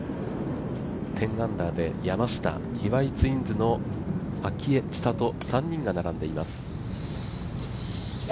１０アンダーで山下、岩井ツインズの明愛、千怜、３人が並んでいます。